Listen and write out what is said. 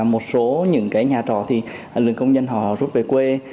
một số những cái nhà trọ thì lượng công nhân họ rút về quê